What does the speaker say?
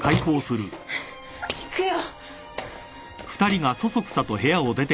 行くよ！